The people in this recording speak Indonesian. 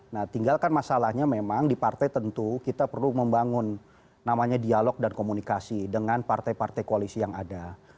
nah tinggalkan masalahnya memang di partai tentu kita perlu membangun namanya dialog dan komunikasi dengan partai partai koalisi yang ada